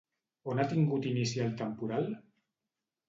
On ha tingut inici el temporal?